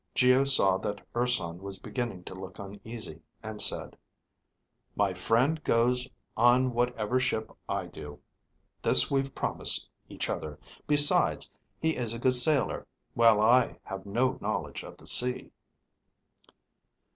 Geo saw that Urson was beginning to look uneasy, and said, "My friend goes on whatever ship I do. This we've promised each other. Besides, he is a good sailor, while I have no knowledge of the sea."